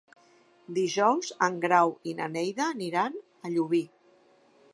Dijous en Grau i na Neida aniran a Llubí.